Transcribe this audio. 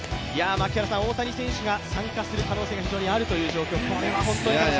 大谷選手が参加する可能性が非常にあるという状況、これは本当に。